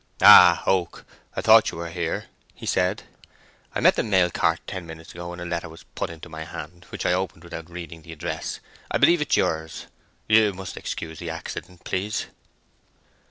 "Ah! Oak, I thought you were here," he said. "I met the mail cart ten minutes ago, and a letter was put into my hand, which I opened without reading the address. I believe it is yours. You must excuse the accident please."